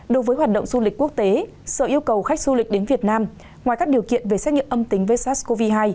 đối với hoạt động du lịch quốc tế sở yêu cầu khách du lịch đến việt nam ngoài các điều kiện về xét nghiệm âm tính với sars cov hai